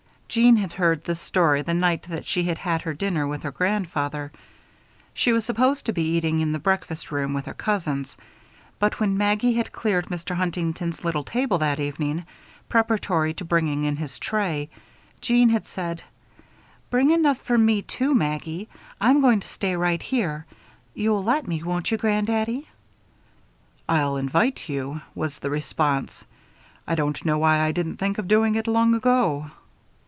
Jeanne had heard this story the night that she had had her dinner with her grandfather. She was supposed to be eating in the breakfast room with her cousins; but when Maggie had cleared Mr. Huntington's little table, that evening, preparatory to bringing in his tray, Jeanne had said: "Bring enough for me, too, Maggie. I'm going to stay right here. You'll let me, won't you, grand daddy?" "I'll invite you," was the response. "I don't know why I didn't think of doing it long ago."